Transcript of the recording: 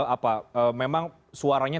apa memang suaranya